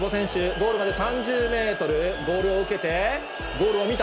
ゴールまで３０メートル、ボールを受けて、ゴールを見た。